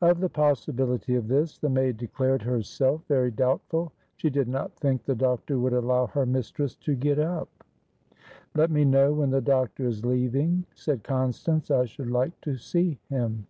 Of the possibility of this, the maid declared herself very doubtful; she did not think the doctor would allow her mistress to get up. "Let me know when the doctor is leaving," said Constance. "I should like to see him."